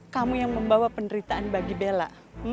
kamu yang membawa penderitaan bagi bella